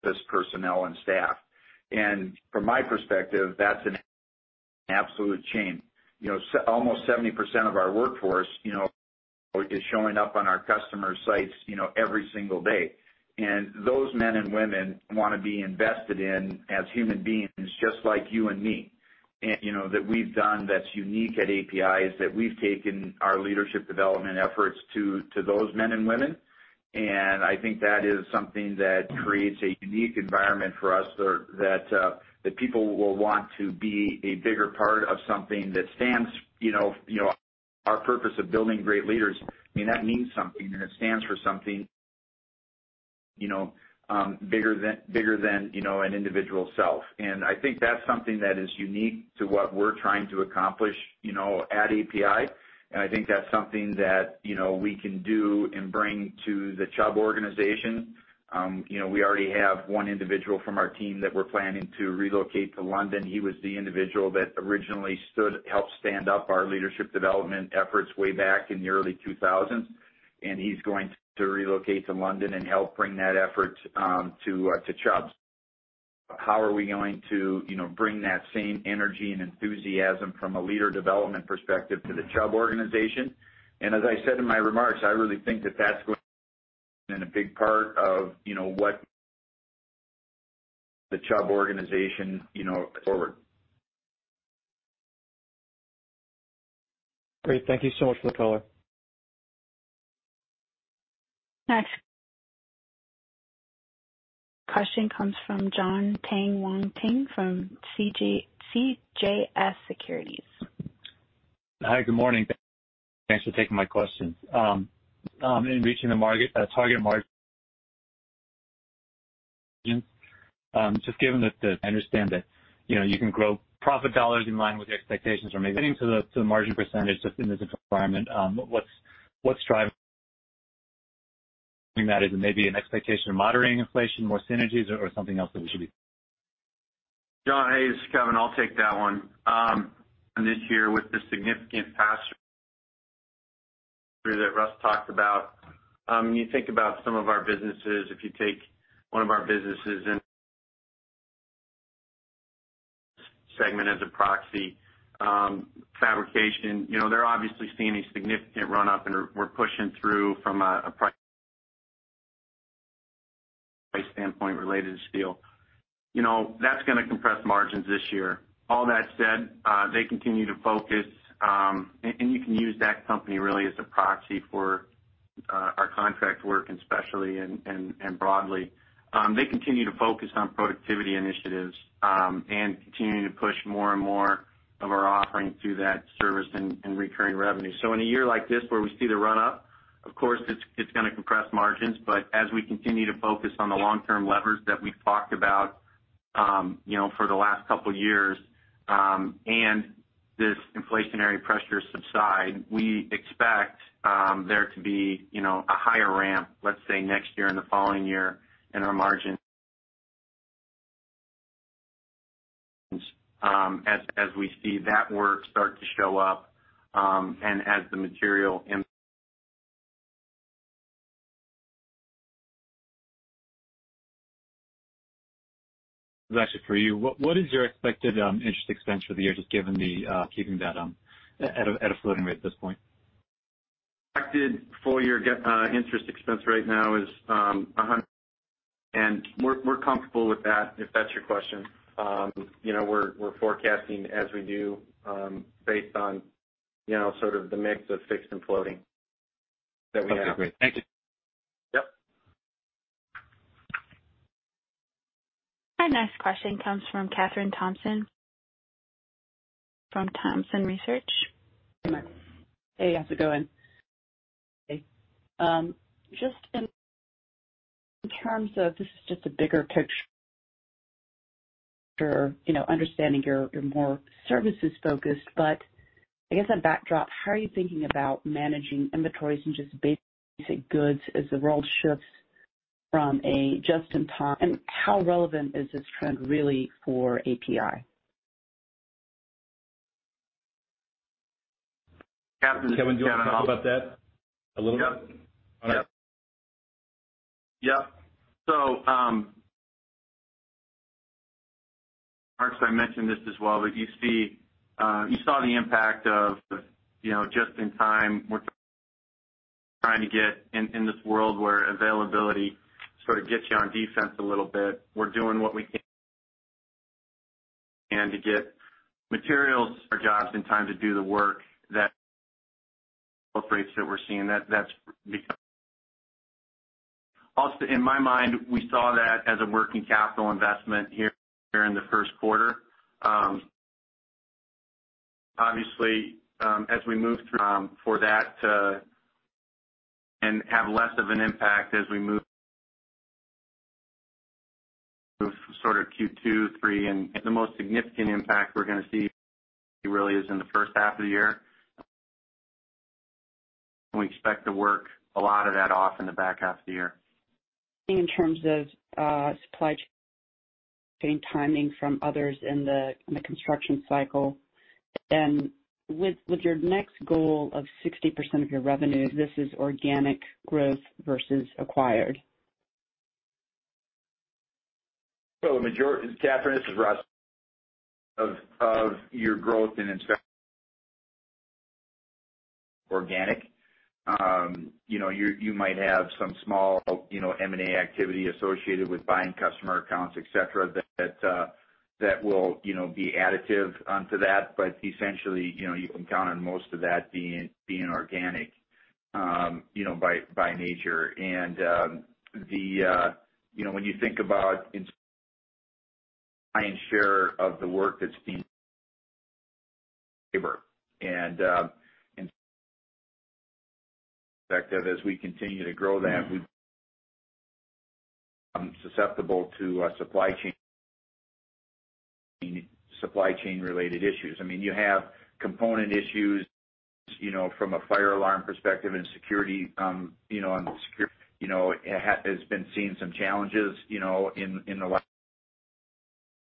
way that this personnel and staff. From my perspective, that's an absolute shame. You know, almost 70% of our workforce, you know, is showing up on our customer sites, you know, every single day. Those men and women wanna be invested in as human beings, just like you and me. You know, that we've done that's unique at APi is that we've taken our leadership development efforts to those men and women, and I think that is something that creates a unique environment for us so that that people will want to be a bigger part of something that stands, you know, you know, our purpose of building great leaders. I mean, that means something, and it stands for something, you know, bigger than, you know, an individual self. I think that's something that is unique to what we're trying to accomplish, you know, at APi. I think that's something that, you know, we can do and bring to the Chubb organization. You know, we already have one individual from our team that we're planning to relocate to London. He was the individual that originally helped stand up our leadership development efforts way back in the early 2000. He's going to relocate to London and help bring that effort to Chubb. How are we going to, you know, bring that same energy and enthusiasm from a leader development perspective to the Chubb organization? As I said in my remarks, I really think that that's going to be a big part of, you know, what the Chubb organization, you know, forward. Great. Thank you so much for the color. Next question comes from Jon Tanwanteng from CJS Securities. Hi, good morning. Thanks for taking my questions. In reaching the target margin, just given that I understand that, you know, you can grow profit dollars in line with the expectations or maybe getting to the margin percentage just in this environment, what's driving that? Is it maybe an expectation of moderating inflation, more synergies or something else that we should be? John, hey, it's Kevin. I'll take that one. This year with the significant pass-through that Russ talked about, you think about some of our businesses, if you take one of our businesses in segment as a proxy, fabrication, you know, they're obviously seeing a significant run-up, and we're pushing through from a price standpoint related to steel. You know, that's gonna compress margins this year. All that said, they continue to focus, and you can use that company really as a proxy for our contract work, especially and broadly. They continue to focus on productivity initiatives, and continuing to push more and more of our offerings through that service and recurring revenue. In a year like this where we see the run-up, of course it's gonna compress margins, but as we continue to focus on the long-term levers that we've talked about, you know, for the last couple years, and this inflationary pressures subside, we expect there to be, you know, a higher ramp, let's say, next year and the following year in our margins, as we see that work start to show up, and as the material and- This is actually for you. What is your expected interest expense for the year, just given the keeping that at a floating rate at this point? Expected full year interest expense right now is $100. We're comfortable with that, if that's your question. You know, we're forecasting as we do, based on you know sort of the mix of fixed and floating that we have. Okay, great. Thank you. Yep. Our next question comes from Kathryn Thompson from Thompson Research Group. Hey, how's it going? Just in terms of this is just a bigger picture, you know, understanding you're more services focused, but I guess that backdrop, how are you thinking about managing inventories and just basic goods as the world shifts from a just-in-time, and how relevant is this trend really for APi? Kevin, do you want to talk about that a little bit? Yeah. All right. Yeah. Kathryn, I mentioned this as well, but you see, you saw the impact of, you know, just in time we're trying to get in this world where availability sort of gets you on defense a little bit. We're doing what we can to get materials for jobs in time to do the work that both rates that we're seeing. That's become. Also in my mind, we saw that as a working capital investment here in the first quarter. Obviously, as we move through, for that and have less of an impact as we move sort of Q2, Q3, and the most significant impact we're gonna see really is in the first half of the year. We expect to work a lot of that off in the back half of the year. In terms of supply chain timing from others in the construction cycle. With your next goal of 60% of your revenue, this is organic growth versus acquired. Majority of your growth in organic, Kathryn, this is Russ. You might have some small M&A activity associated with buying customer accounts, et cetera, that will be additive onto that. But essentially, you can count on most of that being organic by nature. When you think about it, lion's share of the work that's labor intensive as we continue to grow, that we're susceptible to supply chain related issues. I mean, you have component issues from a fire alarm perspective and security. On the security, has been seeing some challenges in the last.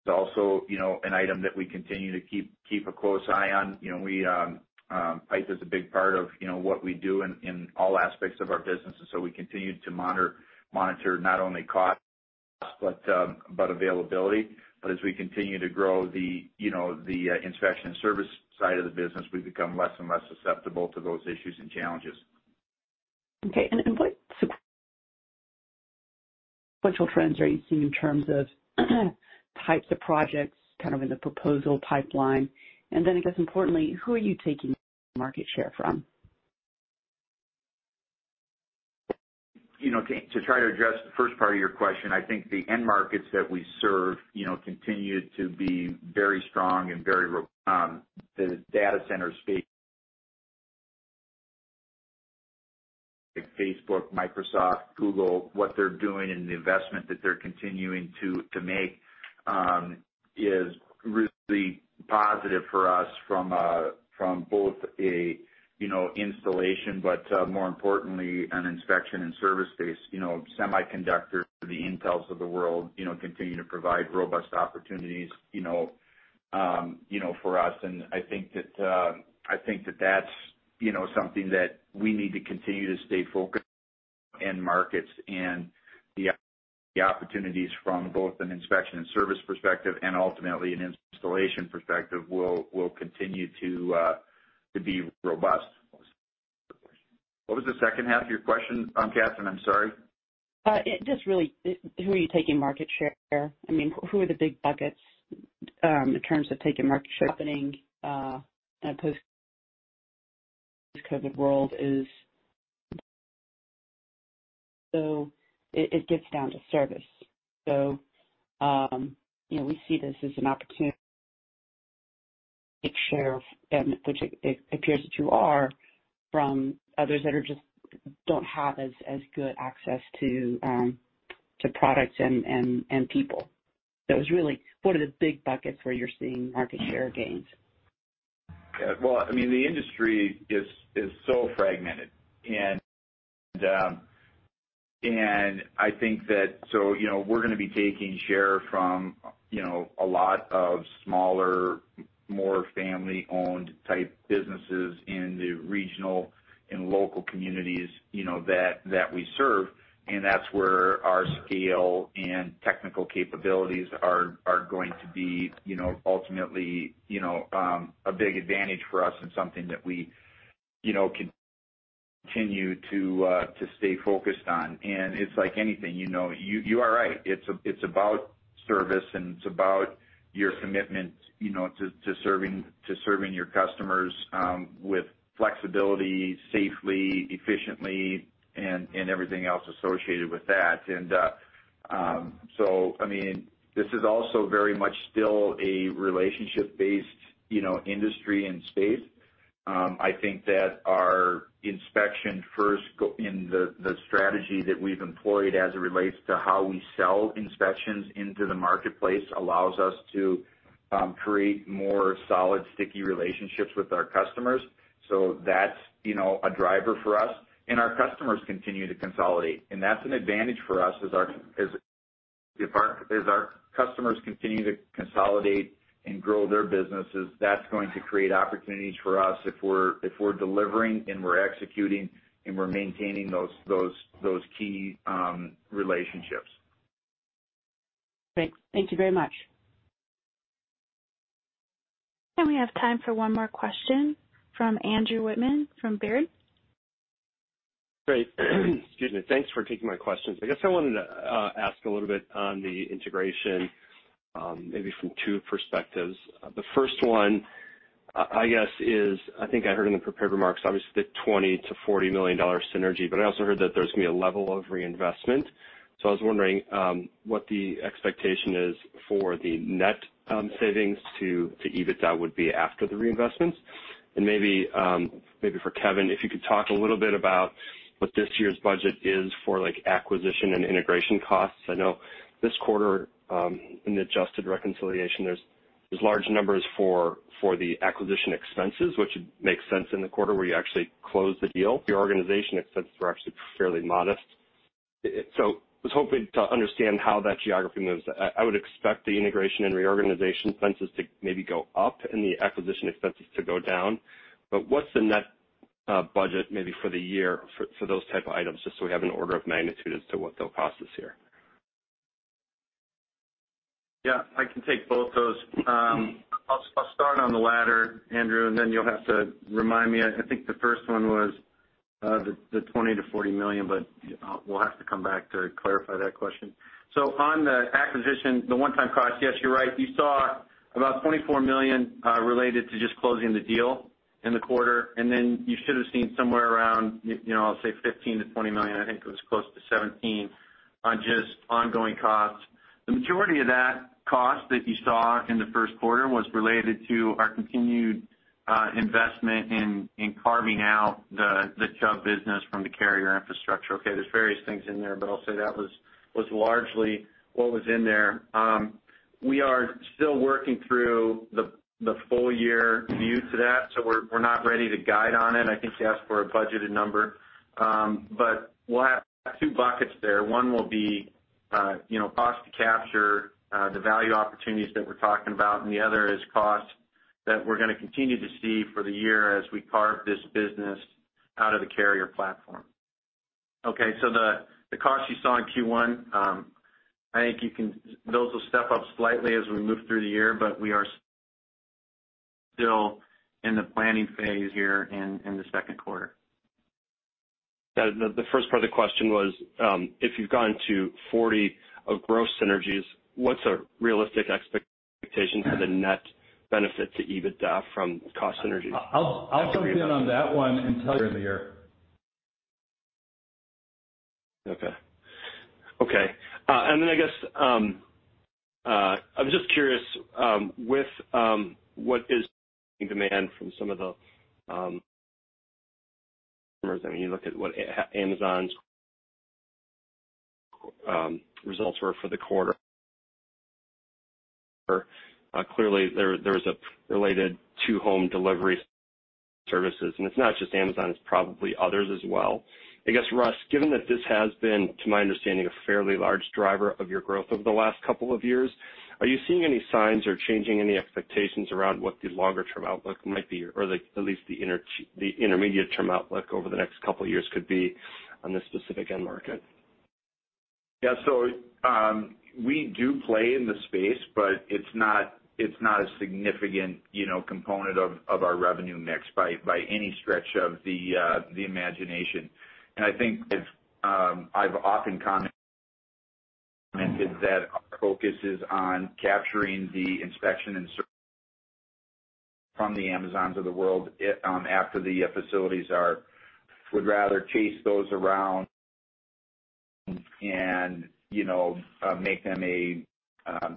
Also, you know, an item that we continue to keep a close eye on. You know, pipe is a big part of, you know, what we do in all aspects of our business. We continue to monitor not only cost, but availability. As we continue to grow the, you know, the inspection service side of the business, we become less and less susceptible to those issues and challenges. Okay. What sequential trends are you seeing in terms of types of projects kind of in the proposal pipeline? I guess importantly, who are you taking market share from? You know, to try to address the first part of your question, I think the end markets that we serve, you know, continue to be very strong and the data center space Facebook, Microsoft, Google, what they're doing and the investment that they're continuing to make is really positive for us from both a installation, but more importantly, an inspection and service base, you know, semiconductor, the Intel's of the world, you know, continue to provide robust opportunities, you know, for us. I think that that's, you know, something that we need to continue to stay focused end markets and the opportunities from both an inspection and service perspective and ultimately an installation perspective will continue to be robust. What was the second half of your question, Kathryn? I'm sorry. It just really, who are you taking market share? I mean, who are the big buckets, in terms of taking market share? Happening, post-COVID world is. It gets down to service. You know, we see this as an opportunity. Share, which it appears that you are from others that just don't have as good access to products and people. That was really one of the big buckets where you're seeing market share gains. Yeah. Well, I mean, the industry is so fragmented. I think that so, you know, we're gonna be taking share from, you know, a lot of smaller, more family-owned type businesses in the regional and local communities, you know, that we serve. That's where our scale and technical capabilities are going to be, you know, ultimately, you know, a big advantage for us and something that we, you know, continue to stay focused on. It's like anything, you know, you are right. It's about service, and it's about your commitment, you know, to serving your customers with flexibility, safely, efficiently, and everything else associated with that. I mean, this is also very much still a relationship based industry and space. I think that our inspection-first strategy that we've employed as it relates to how we sell inspections into the marketplace allows us to create more solid, sticky relationships with our customers. That's, you know, a driver for us. Our customers continue to consolidate, and that's an advantage for us as our customers continue to consolidate and grow their businesses. That's going to create opportunities for us if we're delivering and we're executing and we're maintaining those key relationships. Great. Thank you very much. We have time for one more question from Andrew Wittmann from Baird. Great. Excuse me. Thanks for taking my questions. I guess I wanted to ask a little bit on the integration, maybe from two perspectives. The first one, I guess is, I think I heard in the prepared remarks, obviously the $20 million-$40 million synergy, but I also heard that there's gonna be a level of reinvestment. I was wondering, what the expectation is for the net, savings to EBITDA would be after the reinvestments. Maybe for Kevin, if you could talk a little bit about what this year's budget is for, like, acquisition and integration costs. I know this quarter, in the adjusted reconciliation, there's large numbers for the acquisition expenses, which makes sense in the quarter where you actually close the deal. The organization expenses were actually fairly modest. I was hoping to understand how that geography moves. I would expect the integration and reorganization expenses to maybe go up and the acquisition expenses to go down. What's the net budget maybe for the year for those type of items, just so we have an order of magnitude as to what the cost is here? Yeah, I can take both those. I'll start on the latter, Andrew Wittmann, and then you'll have to remind me. I think the first one was the $20 million-$40 million, but we'll have to come back to clarify that question. On the acquisition, the one-time cost, yes, you're right. You saw about $24 million related to just closing the deal in the quarter. Then you should have seen somewhere around, you know, I'll say $15 million-$20 million, I think it was close to $17 million, on just ongoing costs. The majority of that cost that you saw in the first quarter was related to our continued investment in carving out the Chubb business from the Carrier infrastructure. Okay, there's various things in there, but I'll say that was largely what was in there. We are still working through the full year view to that, so we're not ready to guide on it. I think you asked for a budgeted number. But we'll have two buckets there. One will be, you know, cost to capture the value opportunities that we're talking about, and the other is cost that we're gonna continue to see for the year as we carve this business out of the Carrier platform. Okay, the cost you saw in Q1, I think you can. Those will step up slightly as we move through the year, but we are still in the planning phase here in the second quarter. The first part of the question was, if you've gotten to 40 of gross synergies, what's a realistic expectation for the net benefit to EBITDA from cost synergies? I'll jump in on that one and tell you later. I'm just curious with what is demand from some of the customers. I mean, you look at what Amazon's results were for the quarter. Clearly, there's a relation to home delivery services. It's not just Amazon, it's probably others as well. I guess, Russ, given that this has been, to my understanding, a fairly large driver of your growth over the last couple of years, are you seeing any signs or changing any expectations around what the longer term outlook might be or at least the intermediate term outlook over the next couple of years could be on this specific end market? Yeah. We do play in the space, but it's not a significant, you know, component of our revenue mix by any stretch of the imagination. I think I've often commented that our focus is on capturing the inspection and service from the Amazons of the world. We'd rather chase those around than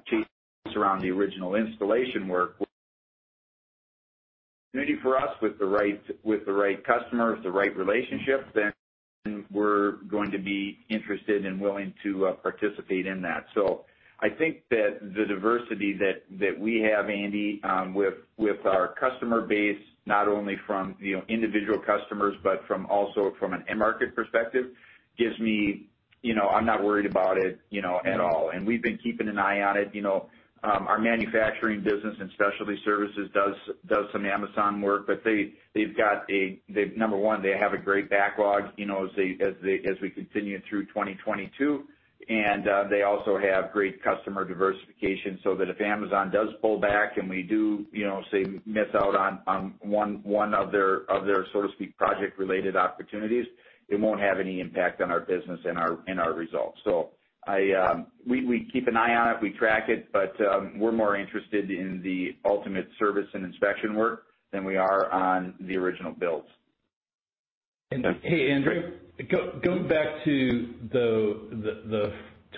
chase the original installation work. Maybe for us with the right customers, the right relationships, then we're going to be interested and willing to participate in that. I think that the diversity that we have, Andy, with our customer base, not only from, you know, individual customers but also from an end market perspective, gives me, you know. I'm not worried about it, you know, at all. We've been keeping an eye on it. You know, our manufacturing business and specialty services does some Amazon work, but they have a great backlog, you know, as we continue through 2022. They also have great customer diversification, so that if Amazon does pull back and we do, you know, say, miss out on one of their, so to speak, project related opportunities, it won't have any impact on our business and our results. We keep an eye on it, we track it, but we're more interested in the ultimate service and inspection work than we are on the original builds. Hey, Andrew, going back to the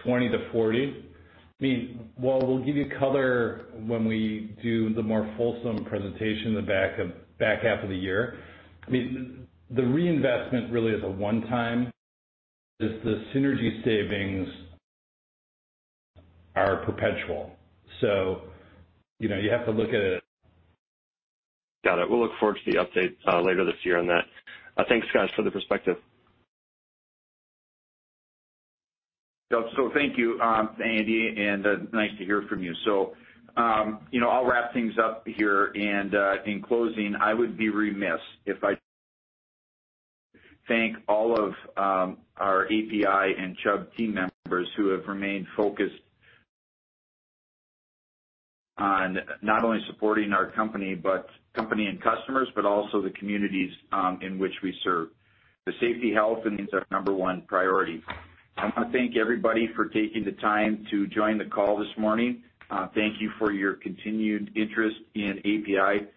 20-40. I mean, while we'll give you color when we do the more fulsome presentation in the back half of the year. I mean, the reinvestment really is a one time. The synergy savings are perpetual, so, you know, you have to look at it. Got it. We'll look forward to the update, later this year on that. Thanks, guys, for the perspective. Thank you, Andy, and nice to hear from you. I'll wrap things up here. In closing, I would be remiss if I didn't thank all of our APi and Chubb team members who have remained focused on not only supporting our company and customers, but also the communities in which we serve. The safety, health, and well-being is our number one priority. I want to thank everybody for taking the time to join the call this morning. Thank you for your continued interest in APi.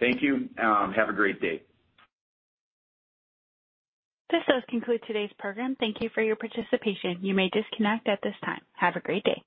Thank you. Have a great day. This does conclude today's program. Thank you for your participation. You may disconnect at this time. Have a great day.